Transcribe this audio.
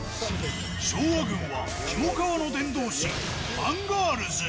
昭和軍はキモかわの伝道師、アンガールズ。